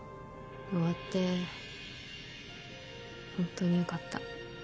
終わって本当によかった。